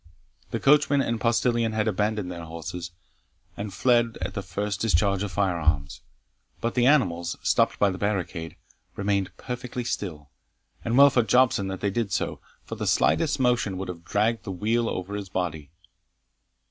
The coachman and postilion had abandoned their horses, and fled at the first discharge of firearms; but the animals, stopped by the barricade, remained perfectly still; and well for Jobson that they did so, for the slightest motion would have dragged the wheel over his body.